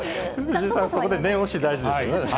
藤井さん、そこで念押し、大事ですよね。